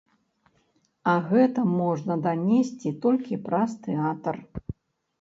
А гэта можна данесці толькі праз тэатр.